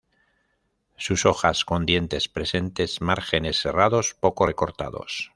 Sus hojas con dientes presentes márgenes serrados poco recortados.